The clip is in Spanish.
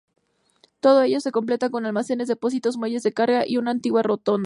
Todo ello se completa con almacenes, depósitos, muelles de carga y una antigua rotonda.